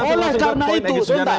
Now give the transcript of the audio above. oleh karena itu